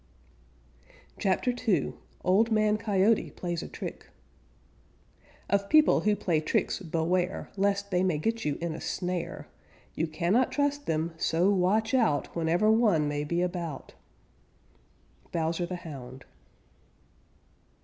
CHAPTER II OLD MAN COYOTE PLAYS A TRICK Of people who play tricks beware, Lest they may get you in a snare. You cannot trust them, so watch out Whenever one may be about. _Bowser the Hound.